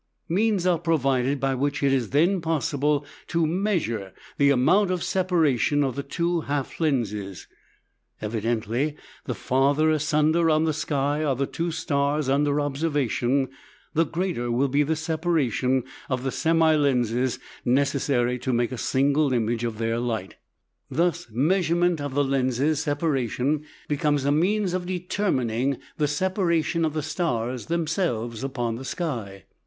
Means are provided by which it is then possible to measure the amount of separation of the two half lenses. Evidently the farther asunder on the sky are the two stars under observation, the greater will be the separation of the semi lenses necessary to make a single image of their light. Thus, measurement of the lenses' separation becomes a means of determining the separation of the stars themselves upon the sky.